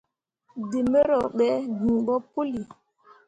Dǝ mbǝro be gii ɓo puli.